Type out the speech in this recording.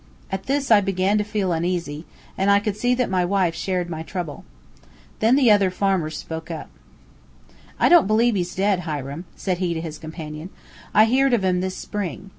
At this, I began to feel uneasy, and I could see that my wife shared my trouble. Then the other farmer spoke up. "I don't believe he's dead, Hiram," said he to his companion "I heered of him this spring.